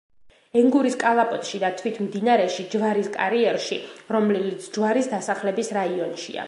ენგურის კალაპოტში და თვით მდინარეში ჯვარის კარიერში, რომელიც ჯვარის დასახლების რაიონშია.